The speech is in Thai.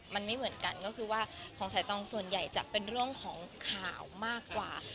มันไม่เหมือนกันก็คือว่าของสายตองส่วนใหญ่จะเป็นเรื่องของข่าวมากกว่า